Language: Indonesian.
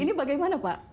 ini bagaimana pak